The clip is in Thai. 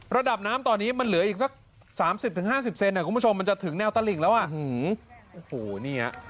ระดับน้ำตอนนี้มันเหลืออีกสักสามสิบถึงห้าสิบเซนอ่ะคุณผู้ชมมันจะถึงแนวตะลิงแล้วอ่ะอือหูเนี่ย